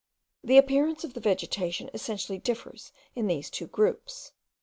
The appearance of the vegetation essentially differs in these two groups.